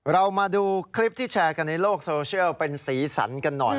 เรามาดูคลิปที่แชร์กันในโลกโซเชียลเป็นสีสันกันหน่อย